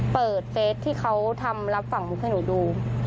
เฟสที่เขาทำรับฝั่งมุกให้หนูดู